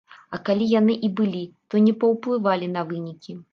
А калі яны і былі, то не паўплывалі на вынікі.